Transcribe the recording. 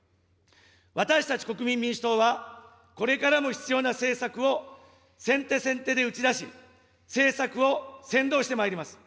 私たち国民民主党は、これからも必要な政策を、先手先手で打ち出し、政策を先導してまいります。